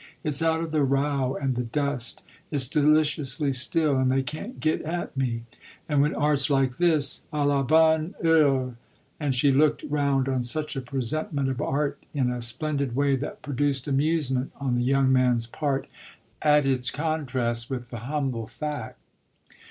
It's out of the row and the dust, it's deliciously still and they can't get at me. Ah when art's like this, à la bonne heure!" And she looked round on such a presentment of "art" in a splendid way that produced amusement on the young man's part at its contrast with the humble fact.